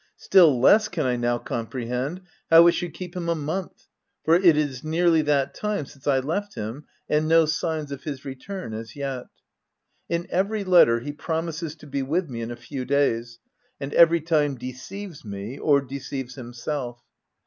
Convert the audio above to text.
Still less can I now comprehend how it should keep him a month — for it is nearly that time since I left him, and no signs of his return as yet. In every letter he promises to be with me in a few days, and every time deceives me — or deceives himself.